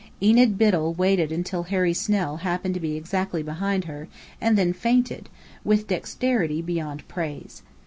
Enid Biddell waited until Harry Snell happened to be exactly behind her, and then fainted, with dexterity beyond praise.